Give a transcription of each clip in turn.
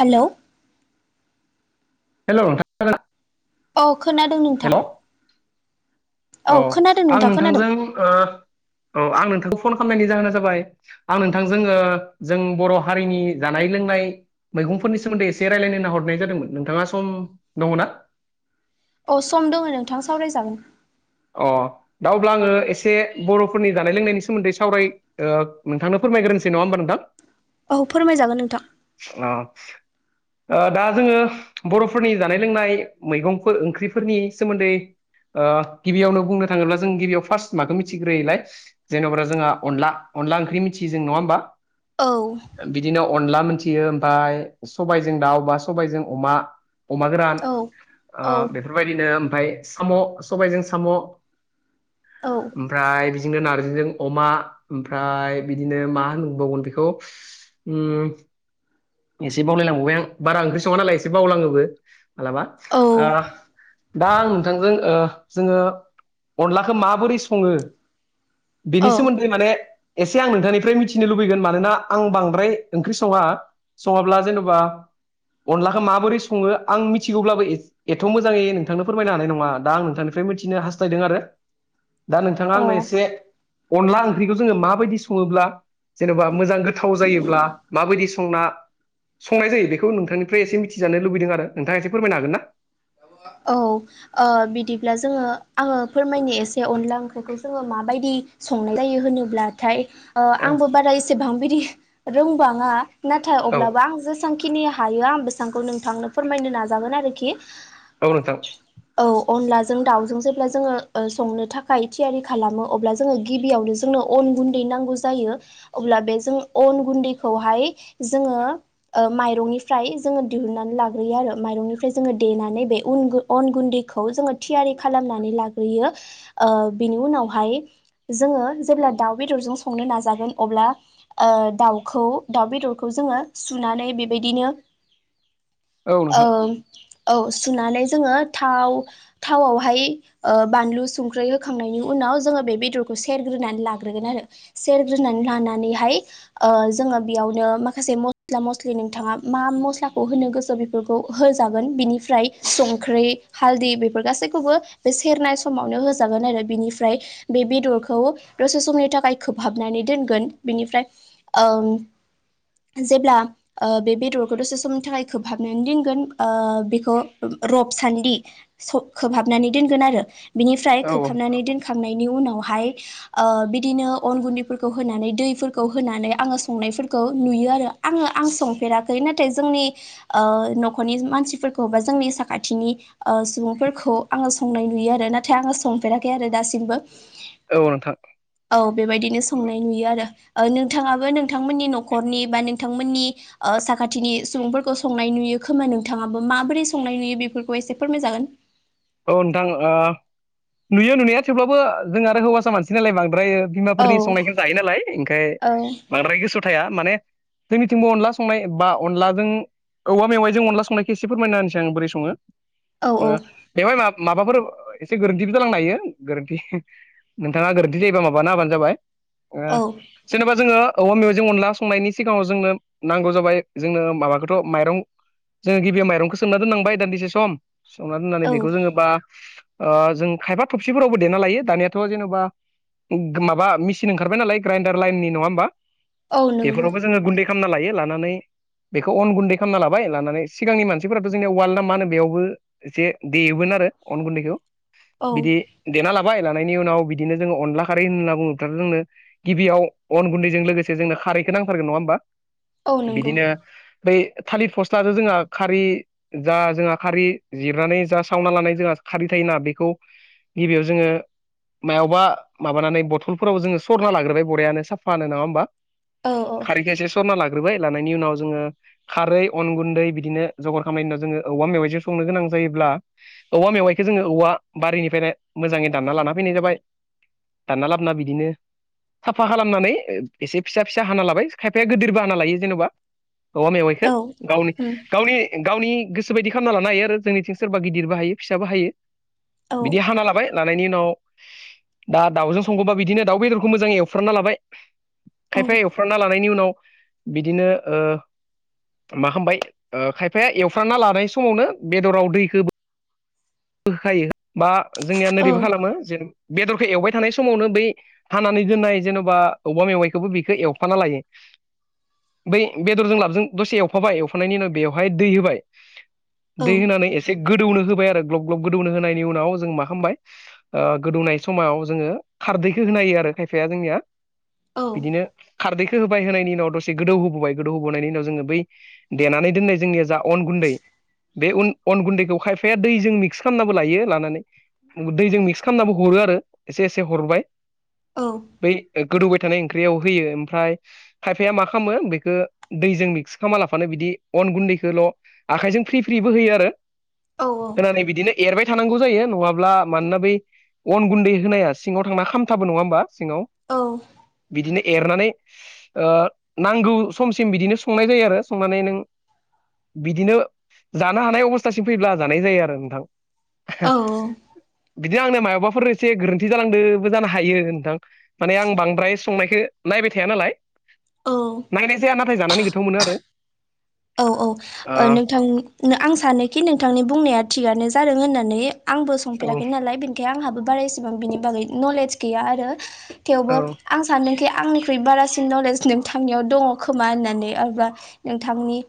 Hello hello नोंथां अ खोनादों नोंथां हेल' औ खोनादों आं नोंथां खोनादों नोंथांजों ओ आं नोंथांखौ फन खालामनायनि जाहोना जाबाय। आं नोंथां जोङो जों बर' हारिनि जानाय लोंनाय मैगंफोरनि सोमोन्दै एसे रायज्लायनो होनना हरनाय जादोंमोन नोंथाङा सम दङ ना। अ सम दङ नोंथां सावरायजागोन। अ दा अब्ला आङो एसे बर'फोरनि जानाय लोंनायनि सोमोन्दै सावराय ओ नोंथांनो फोरमायग्रोसै नङा होमबा नोंथां। औ फोरमायजागोन नोंथां। औ ओ‌ दा जोङो बर'फोरनि जानाय लोंनाय मैगंफोर ओंख्रिफोरनि सोमोन्दै ओ गिबियावनो बुंनो थाङोब्ला जों गिबियाव फार्स्ट मखौ मिथिग्रोलाय जेन'ब जोंहा अनला अनला ओंख्रि मिथियो जों नङा होमबा औ बिदिनो अनला मिथियो ओमफ्राय सबायजों दाउ बा सबायजों अमा अमा गोरान औ ओ औ बेफोरबायदिनो ओमफ्राय साम' सबायजों साम' औ ओमफ्राय बिजोंनो नार्जिजों अमा ओमफ्राय बिदिनो मा होनबावगोन बेखौ उम एसे बावलायलांबावबाय आं बारा ओंख्रि सङा नालाय एसे बावलाङोबो मालाबा दा आं नोंथांजों जोङो अनलाखौ माबोरै सङो बेनि औ अ सोमोन्दै माने एसे आं नोंथांनिफ्राय मिथिनो लुबैगोन मानोना आं बांद्राय ओंख्रि सङा सङोब्ला जेनेबा अनलाखौ माबोरै सङो आं मिथिगौब्लाबो एथ मोजाङै नोंथांनो फोरमायनो हानाय नङा दा आं नोंथांनो बेफ्राय मिथिनो हास्थायदों आरो दा नोंथाङा आंनो एसे अनला ओंख्रिखौ जोङो माबायदि सङोब्ला। जेनेबा मोजां गोथाव जायोब्ला माबायदि संना संनाय जायो बेखौ नोंथांनिफ्राय एसे मिथिजानो लुबैदों आरो नोंथाङा एसे फोरमायनो हागोन ना औ ओ बिदिब्ला जोङो आङो फोरमायनो एसे अनला ओंख्रिखौ जोङो माबायदि संनाय जायो होनोब्लाथाय ओ औ आंबो बारा एसेबां बिदि रोंबाङा नाथाय अब्लाबो आं जे सेबांखिनि हायो आं बेसेबांखौ नोंथांनो फोरमायनो नाजागोन आरोखि औ‌ नोंथां। औ अनलाजों दाउजों जेब्ला जोङो संनो थाखाय थियारि खालामो अब्ला जोङो गिबियावनो जोंनो अन गुन्दै नांगौ जायो। अब्ला बे जों अन गुन्दैखौहाय जोङो। माइरंनिफ्राय जोङो दिहुननानै लाग्रोयो आरो माइरंनिफ्राय जोङो देनानै बे उन अन गुन्दैखौ जोङो थियारि खालामनानै लाग्रोयो। ओ बिनि उनावहाय जोङो जेब्ला दाउ बेदरजों संनो नाजागोन अब्ला ओ दाउखौ दाउ बेदरखौ जोङो सुनानै बेबायदिनो औ नोंथां ओं औ सुनानै जोङो थाव थावआवहाय ओ बानलु संख्रै होखांनायनि उनाव जोङो बे बेदरखौ सेरग्रोनानै लाग्रोगोन आरो। सेरग्रोनानै लानानैहाय ओ जोङो बेयावनो माखासे मस्ला मस्लि नोंथाङा मा मस्लाखौ होनो गोसो बे फोरखौ होजागोन बिनिफ्राय संख्रि हालदै बेफोर गासैखौबो बे सेरनाय समावनो होजागोन आरो। बिनिफ्राय बे बेदरखौ दसे समनि थाखाय खोबहाबनानै दोनगोन बेनिफ्राय ओं जेब्ला ओ बे बेदरखौ दसे समनि थाखाय खोबहाबनानै दोनगोन ओ बेखौ रब सान्दि स खोबहाबनानै दोनगोन आरो बिनिफ्राय औ खोबहाबनानै दोन खांनायनि उनावहाय ओ बिदिनो अन गुन्दैफोरखौ होनानै दैफोरखौ होनानै आङो संनायफोरखौ नुयो आरो। आङो आं संफेराखै नाथाय जोंनि ओ नखरनि मानसिफोरखौ बा जोंनि साखाथिनि ओ सुबुंफोरखौ आङो संनाय नुयो आरो नाथाय आङो संफेराखै आरो दासिमबो। औ नोंथां औ बेबायदिनो संनाय नुयो आरो। ओ नोंथाङाबो नोंथांमोननि नखरनि बा नोंथांमोननि ओ साखाथिनि सुबुंफोरखौ संनाय नुयो खोमा नोंथाङाबो माबोरै संनाय नुयो बेफोरखौ एसे फोरमायजागोन? औ नोंथां ओ नुयो नुनाया थेवब्लाबो जों आरो हौवासा मानसि नालाय बांद्रायो औ बिमाफोरनि संनायखौनो जायो नालाय ओंखाय औ बांद्राय गोसो थाया माने। जोंनिथिंबो अनला संनाय बा अनलाजों औवा मेवाइजों अनला संनायखौ एसे फोरमायना होनोसै आं बोरै सङो औ ओ बेवहाय मा माबाफोर एसे गोरोन्थिबो जालांनो हायो गोरोन्थि। नोंथाङा गोरोन्थि जायोबा माबाना होबानो जाबाय। ओ औ जेनेबा जोङो औवा मेजों अनला संनायनि सिगाङाव जोंनो नांगौ जाबाय जोंनो माबाखौथ माइरं जोङो गिबियाव माइरंखौ सोंना दोननांबाय दान्दिसे सम सोमना दोननानै औ बेखौ जोङो बा ओ जों खायफा थबसिफोरावबो देना लायो दानियाथ जेनेबा माबा मेसिन ओंखारबाय नालाय ग्राइन्डार लाइननि नङा होमबा औ नंगौ बेफोरावबो जोङो गुन्दै खालामना लायो। लानानै बेखौ अन गुन्दै खालामना लाबाय लानानै सिगांनि मानसिफोराथ जोंनिया उवाल ना मा होनो बेयावबो जे देयोमोन आरो अन गुन्दैखौ औ बिदि देना लाबाय लानायनि उनाव बिदिनो जोङो अनला खारै होनना बुङबोबायथादों जोंनो। गिबियाव अन गुन्दैजों लोगोसे जोंनो खारैखौ नांथारगोन नङा होमबा औ नंगौ बिदिनो बै थालिर फस्टजों जोंहा खारि जा जोंहा खारि जिरनानै जोंहा सावना लानाय जोंहा खारि थायोना बेखौ गिबियाव जोङो मायावबा माबानानै बथलफोराव जोङो सरना लाग्रोबाय बराययानो साफानो नङा होमबा। औ औ खारिखो एसे सरना लाग्रोबाय लानायनि उनाव जोङो खारै अन गुन्दै बिदिनो जगार खालामनायनि उनाव जोङो औबवा मेवाइजों संनो गोनां जायोब्ला औवा मेवाइखौ जोङो औवा बारिनिफ्रायनो मोजाङै दानना लाना फैनाय जाबाय। दानना लाबा बिदिनो। साफा खालामनानै एसे फिसा फिसा हाना लाबाय खायफाया गिदिरबो हाना लायो जेनबा। औवा मेवाइखौ औ गावनि उम गावनि गावनि गोसोबायदि खालामना लानो हायो आरो जोंनिथिं सोर बा गिदिरबो हायो फिसाबो हायो। औ बिदि हाना लाबाय लानायनि उनाव दा दाउजों संगबा बिदिनो दाउ बेदरखौ मोजाङै एवफ्रानना लाबाय। औ खायफा एवफ्राना लानायनि उनाव बिदिनो ओ मा खामबाय ओ खायफाया एवफ्रामना लानाय समावनो बेदराव दैखो होखायो बा जोंनिया औ नैरैबो खालामो जेन बेदरखौ एवबाय थानाय समावनो बै हानानै दोननाय जेनबा औवा मेवाइखौबो बेखौ एवफाना लायो। बै बेदरजों लाबजों दसे एवफाबाय एवफनायनि उनाव बेवहाय दै होबाय दै होनानै एसे गोदौनो होबाय आरो ग्लब ग्लब गोदौनो होनायनि उनाव जों मा खालामबाय ओ गोदौनाय समाव जोङो खारदैखौ होना होयो आरो खायफाया जोंनिया औ बिदिनो खारदैखौ होबाय होनायनि उनाव दसे गोदौ होबोबाय गोदौ होबोनायनि उनाव जोङो बै देनानै दोननाय जोंनिया जा अन गुन्दै बेन अन गुन्दैखौ खायफाया दैजों मि क्स खालामनाबो लायो लानानै दैजों मिक्स खालामनाबो हरो आरो एसे एसे हरबाय बै गोदौबाय थानाय ओंख्रियाव होयो ओमफ्राय खायफाया मा खालामो बेखो दैजों मिक्स खालामा लाफानो बिदि अन गुन्दैखौल' आखाइजों फ्रि फ्रिबो होयो आरो होनानै बि एरबाय थानांगौ जायो नङाब्ला मानोना बै अन गुन्दै होनाया सिङाव थांना खामथाबो नङा ओमबा सिङाव बिदिनो एरनानै नांगौ ओ समसिम बिदिनो संनाय जायो आरो संनानै नों बिदिनो जानो हानाय अबस्थासिम फैब्ला जानाय जायो आरो नोंथां। औ बिदिनो आंनो मायावबाफोर एसे गोरोन्थि जालांदोंबो जानो हायो नोंथां। माने आं बांद्राय संनायखौ नायबाय थाया नालाय। औ नायनाय जाया नाथाय जानानै गोथाव मोनो आरो। औ औ ओ औ नोंथां आं सानोखि नोंथांनि बुंनाया थिगानो जादों होननानै आंबो संफेराखै नालाय ओमफाय आंहाबो बारा एसेबां बिनि बागै नलेज गैया आरो थेवबो औ आं सानदोंखि आंनिख्रुइ बारासिन नलेज नोंथांनियाव दङ खोमा होननानै आरोबा नोंथांनि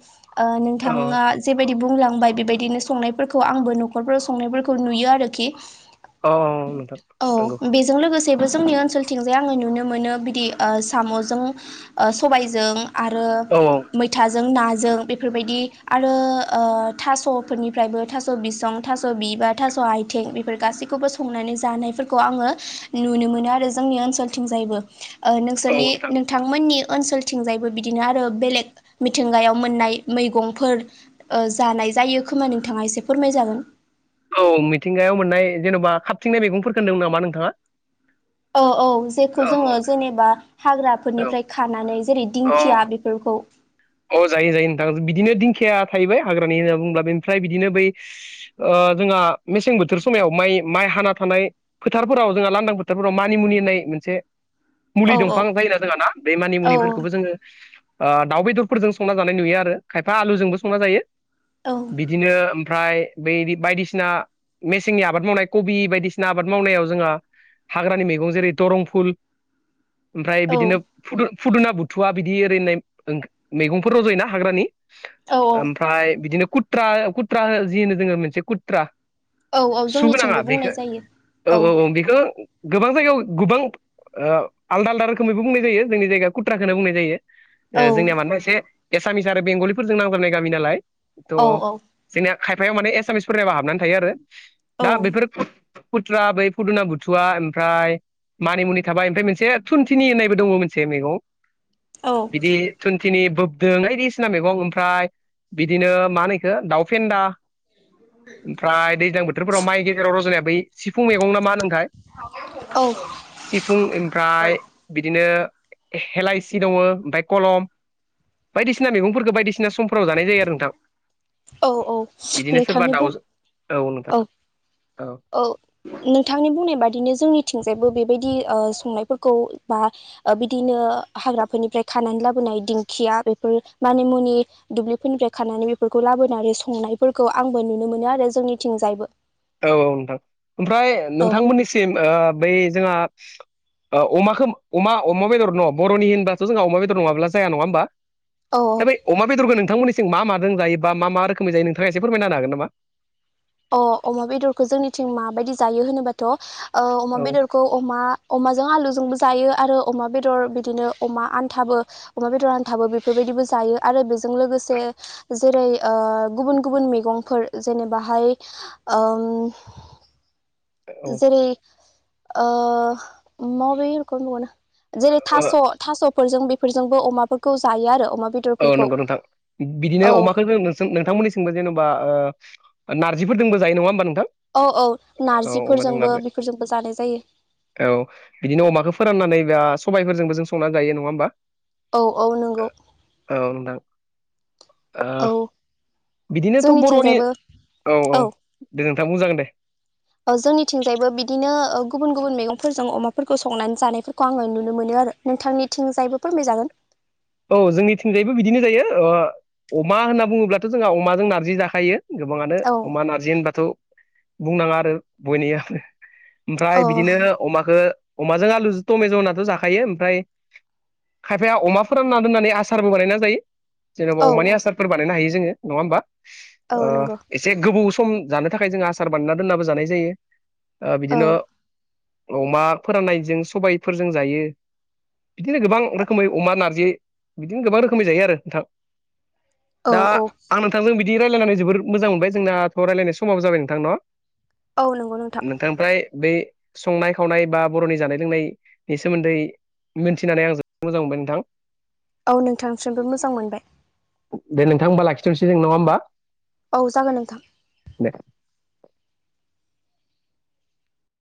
औ नोंथाङा जेबायदि बुंलांबाय बेबायदिनो संनायफोरखौ आंबो नखरफोराव संनायफोरखौ नुयो आरोखि। औ नोंथां औ नंगौ बे जों लोगोसेबो जोंनि ओनसोलथिंजाय आङो नुनो मोनो बिदि साम'जों ओ सबायजों आरो औ औ मैथाजों ना जों बेफोरबायदि आरो ओ थास'फोरनिफ्रायबो थास' बिसं थास' बिबा थास' आइ थें बेफोर गासैखौबो संनानै जानायफोरखौ आङो नुनो मोनो आरो जोंनि ओनसोलथिंजायबो ओ नोंसोरनि नोंथां नोंथांमोननि ओनसोलथिंजायबो बिदिनो आरो बेलेग मिथिंगायाव मोननाय मैगंफोर ओ जानाय जायो खोमा नोंथाङा एसे फोरमायजागोन औ मिथिंगायाव मोननाय जेनबा खाबथिंनाय मैगंफोरफोरखौ होनदों नामा नोंथाङा? औ औ जेखौ औ जोङो जेनेबा हाग्राफोरनिफ्राय खानानै जेरै दिंखिया बेफोरखौ अ जायो जायो नोंथां बिदिनो दिंखिया थाहैबाय हाग्रानि होनना बुंङोब्ला बेनिफ्राय बिदिनो बै ओ जोंहा मेसें बोथोर समायाव माइ माइ हाना थानाय फोथारफोराव जोंहा लांदां फोथारफोराव मानिमुनि होननाय मोनसे मुलि औ औ दंफां जायोना जोङा ना बे औ मानिमुनिफोरखौबो जोङो ओ दाउ बेदर फोरजों संना जानाय नुयो आरो खायफा आलुजोंबो संना जायो औ बिदिनो ओमफ्राय बै बायदिसिना मेसेंनि आबाद मावनाय कबि बायदिसिना आबाद मावनायाव जोङो हाग्रानि मैगं जेरै दरं फुल ओमफ्राय बिदिनो फु फुदुना बुथुवा बिदि ओरै होननाय मैगंफोर रज'योना हाग्रानि औ ओम फ्राय बिदिनो कुट्रा कुट्रा जि होनो जोङो मोनसे कुट्रा औ औ सु गोनाङा जोंनिथिंबो बेखौ बुंनाय जायो औ औ औ बेखो गोबां जायगायाव गोबां ओ आलदा आलदा रोखोमैबो बुंनाय जायो जोंनि जायगायाव कुट्राखौनो बुंनाय जायो। औ जोंनिया माने एसे एसामिस आरो बेंगलिफोरजों नांजाबनाय गामि नालाय थ' औ जोंनिया खायफायाव माने एसामिस फोरनियाबो हाबनानै थायो आरो दा बेफोर कुट्रा बै फुदुना गुथुवा ओमफ्राय मानिमुनि थाबाय ओमफ्राय मोनसे थुनथिनि होननायबो दङ मोनसे मैगं औ बिदि थुुनथिनि बोदों बायदिसिना मैगं ओमफ्राय बिदिनो मा होनो इखो दाउ फेन्दा ओमफ्राय दैज्लां बोथोरफोराव माइ गेजेराव रज'नाया बै सिफुं मेगं ना मा होनोमोनथाय? औ सिफुं ओमफ्राय बिदिनो हेलाइसि दङ ओमफ्राय कलम बायदिसिना मैगंफोरखौ बायदिसिना समफोराव जानाय जायो आरो नोंथां। औ औ बिदिनो सोरबा नोंथांनि बुं दाउजों [inaudible] औ औ नोंथांनि बुंनाय बादिनो जोंनिथिंजायबो बेबायदि ओ संनायफोरखौ बा ओ बिदिनो हाग्राफोरनिफ्राय खानानै लाबोनाय दिंखिया बेफोर मानि मुनि दुब्लिफोरनिफ्राय्र खानानै बेफोरखौ लाबोनानै संनायफोरखौ आंबो नुनो मोनो आरो जोंनिथिंजायबो। औ औ नोंथां ओमफ्राय औ नोंथांमोननिसिम ओ बै जोंहा ओ अमाखौ अमा अमा बेदर न' बर'नि होनबाथ' जोंहा अमा बेदर नङा होमबा? औ औ दा बे अमा बेदरखौ नोंथांनिथि मा मा जों जायो बा मा मा रोखोमै जायो नोंथाङा एसे फोरमायनानो हागोन नामा? अ अमा बेदरखौ जोंनिथिं माबायदि जायो होनोबाथ' ओ अमा औ बेदर खौ अमा अमाजों आलुजोंबो जायो आरो अमा बेदर बिदिनो अमा आन्थाबो अमा बेदर आानथाबो बेफोरबायदिबो जायो आरो बेजों लोगोसे जेरै ओ गुबुन गुबुन मैगंफोर जेनेबाहाय ओ उम औ जेरै ओ माबे रोखोम नङा ना जेरै थास' थास'फोरजों बेफोरजोंबो अमाफोरखौ जायो आरो अमा बे औ नंगौ नोंथां बिदिनो अमाखौ जोङो जों नोंथांमोननिसिंबो जेन'बा ओ नारजिफोर दंबो जायो नङा होमबा नोंथां? औ औ औ अमाजों नारजिफोरजोंबो नारजि बेफोरजोंबो जानाय जायो। औ बिदिनो अमाखौ फोराननानै बा सबायफोरजोंबो जों संना गायो नङा होमबा? औ औ नोंगौ। औ नोंथां। ओ औ बिदिनोथ' बर'नि, जोंनिथिंजायबो औ औ दे नोंथां बुंजागोन दे। ओ जोंनिथिंजायबो बिदिनो ओ गुबुन गुबुन मैगंफोरजों अमाफोरखौ संनानै जानायफोरखौ आङो नुनो मोनो आरो। नोंथांनिथिंजायबो फोरमायजागोन। औ जोंनिथिंजायैबो बिदिनो जायो ओ अमा होनना बुङोब्लाथ' जोंहा अमाजों नार्जि जाखायो। गोबाङानो औ अमान आरजि होनबाथ' बुंनाङा आरो बयनिआनो। ओमफ्राय औ बिदिनो अमाखौ अमाजों आलुजों टमेेज' होनाथ' जाखायो ओमफ्राय खायफाया अमा फोरानना दोननानै आसारबो बानायना जायो जेनेबा औ अमानि आसारफोर बानायनो हायो जोङो नङा होमबा। औ ओ नंगौ एसे गोबौ सम जानो थाखाय जों आसार बानायनाय दोननाबो जानाय जायो। ओ औ बिदिनो अमा फोराननायजों सबायफोरजों जायो बिदिनो गोबां रोखोमै अमा नार दि बिदिनो गोबां रखोमै जायो आरो नोंथां। औ दा औ आं नों थांजों बिदि रायल्लायनानै जोबबोर मोजां मोनबाय जोंनाथ' राय्लायनाय समाव जाबाय नोंथां न'? औ नंगौ नोंथां। ओमफ्राय बै संनाय खावनाय बा बर'नि जानाय लोंनायनि सोमोन्दै मिथिनानै आं जबोद मोजां मोनबाय नोंथां। औ नोंथांनिसिमबो मोजां मोनबाय। दे नोंथां होनबा लाखिथ'नोसै जों नङा होमबा? औ जागोन नोंथां। दे।